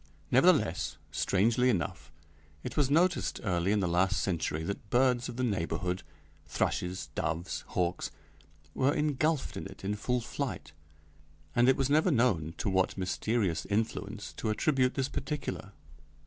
Nevertheless, strangely enough, it was noticed early in the last century that birds of the neighborhood thrushes, doves, hawks were engulfed in it in full flight, and it was never known to what mysterious influence to attribute this particular.